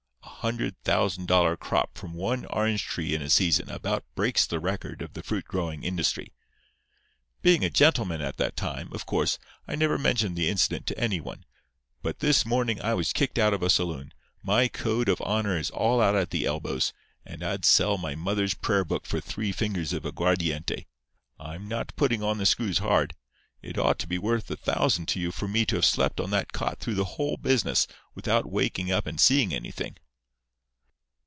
A hundred thousand dollar crop from one orange tree in a season about breaks the record of the fruit growing industry. "Being a gentleman at that time, of course, I never mentioned the incident to anyone. But this morning I was kicked out of a saloon, my code of honour is all out at the elbows, and I'd sell my mother's prayer book for three fingers of aguardiente. I'm not putting on the screws hard. It ought to be worth a thousand to you for me to have slept on that cot through the whole business without waking up and seeing anything."